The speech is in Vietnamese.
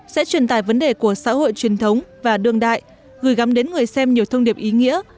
sẽ truyền tải vấn đề của xã hội truyền thống và đương đại gửi gắm đến người xem nhiều thông điệp ý nghĩa